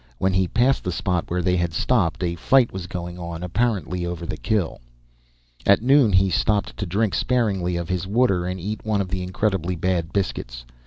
When he passed the spot where they had stopped, a fight was going on, apparently over the kill. At noon he stopped to drink sparingly of his water and eat one of the incredibly bad biscuits.